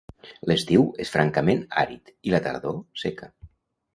L'estiu és francament àrid, i la tardor, seca.